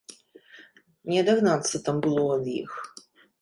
Не адагнацца там было ад іх!